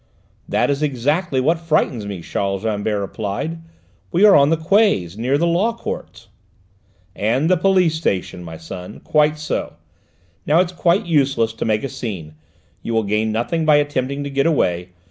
"That is exactly what frightens me," Charles Rambert replied. "We are on the quays, near the Law Courts." "And the Police Station, my son. Quite so. Now it's quite useless to make a scene: you will gain nothing by attempting to get away.